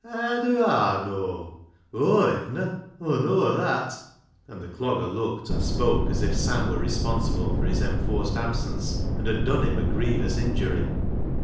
" Haa dew Aw knaaw ? A7i> hevna, Aw knaaw that," and the Clogger looked and spoke as if Sam were responsible for his enforced absence, and had done him a grievous injury.